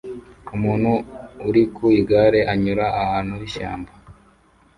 Umuntu uri ku igare anyura ahantu h'ishyamba